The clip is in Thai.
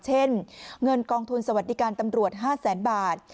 เช่นเงินกองทุนสวัสดิการตำรวจ๕แสนบาท